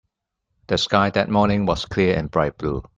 The sky that morning was clear and bright blue.